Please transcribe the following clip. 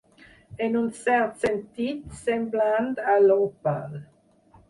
En un cert sentit, semblant a l'òpal.